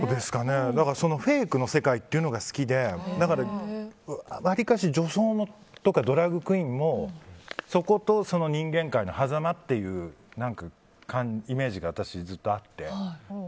フェイクの世界というのが好きでだから、わりかし女装とかドラァグクイーンもそこと人間界の狭間っていうイメージが私はずっとあって。